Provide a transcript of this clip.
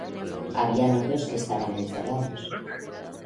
Había otros que estaban encerrados.